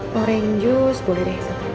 paren jus boleh deh